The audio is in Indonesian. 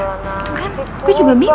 kan gue juga bingung